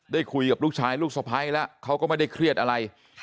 ได้คุยกับลูกชายลูกสะพ้ายแล้วเขาก็ไม่ได้เครียดอะไร